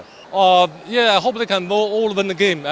saya harap mereka bisa menang semua game